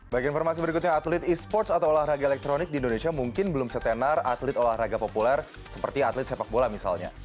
bagi informasi berikutnya atlet e sports atau olahraga elektronik di indonesia mungkin belum setenar atlet olahraga populer seperti atlet sepak bola misalnya